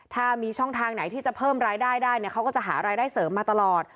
ถ้ามีช่องทางไหนที่จะเพิ่มรายได้ได้เนี่ยเขาก็จะหารายได้เสริมมาตลอด